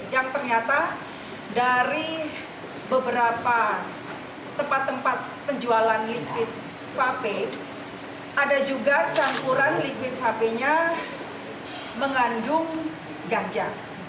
yang ternyata dari beberapa tempat tempat penjualan liquid vape ada juga campuran liquid sapinya mengandung ganja